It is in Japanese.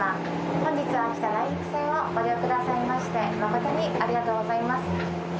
本日は秋田内陸線をご利用くださいましてまことにありがとうございます。